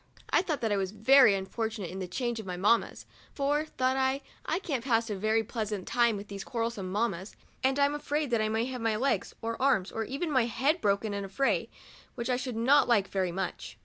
I thought that I was very un fortunate in the change of my mammas, for, thought I, I can't pass a very pleasant time with these quarrelsome mammas, and I'm afraid that I may have my legs or arms, or even my head broken in a fray, which I should not like very much.